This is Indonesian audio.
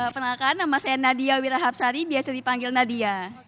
penangkan nama saya nadia wira habsari biasa dipanggil nadia